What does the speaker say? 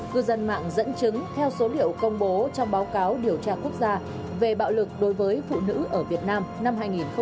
cư dân mạng dẫn chứng theo số liệu công bố trong báo cáo điều tra quốc gia về bạo lực đối với phụ nữ ở việt nam năm hai nghìn một mươi tám